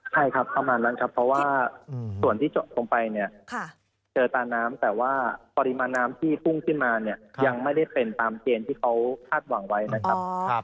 ใช่ครับประมาณนั้นครับเพราะว่าส่วนที่จบลงไปเนี่ยเจอตาน้ำแต่ว่าปริมาณน้ำที่พุ่งขึ้นมาเนี่ยยังไม่ได้เป็นตามเกณฑ์ที่เขาคาดหวังไว้นะครับ